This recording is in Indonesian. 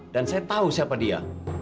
dan saya tahu siapa dia